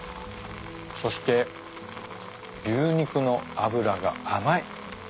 そして牛肉の脂が甘い。